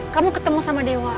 kamu ketemu sama dewa